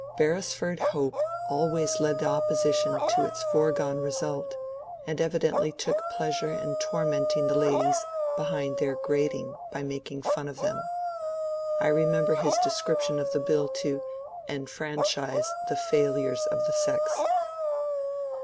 Beresford Hope always led the opposition to its foregone result, and evidently took pleasure in tormenting the ladies behind their grating by making fun of them. I remember his description of the bill to ^^ enfranchise the failures of the sex."